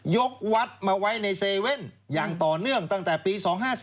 วัดมาไว้ใน๗๑๑อย่างต่อเนื่องตั้งแต่ปี๒๕๔